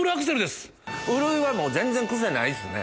ウルイはもう全然クセないっすね。